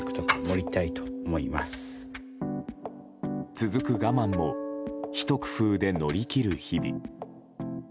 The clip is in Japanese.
続く我慢もひと工夫で乗り切る日々。